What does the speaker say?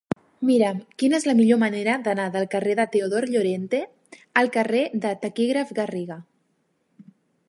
Mira'm quina és la millor manera d'anar del carrer de Teodor Llorente al carrer del Taquígraf Garriga.